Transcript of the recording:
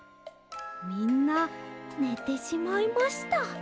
みんなねてしまいました。